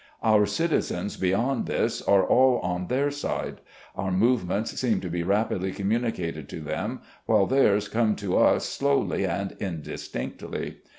Om citizens beyond this are all on their side. Our movements seem to be rapidly communicated to them, while theirs come to us slowly and indistinctly.